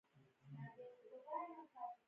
باسواده نجونې د لومړنیو مرستو بکس لري.